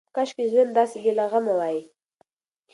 کاشکې ژوند داسې بې له غمه وای.